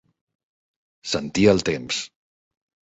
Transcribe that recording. Sentir el temps.